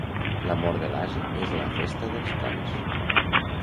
La mort de l'ase és la festa dels cans.